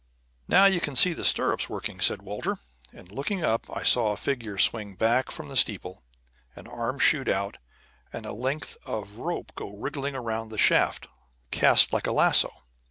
"Now you can see the stirrups working," said Walter, and, looking up, I saw a figure swing back from the steeple, an arm shoot out, and a length of rope go wriggling around the shaft, cast like a lasso.